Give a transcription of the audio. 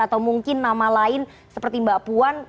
atau mungkin nama lain seperti mbak puan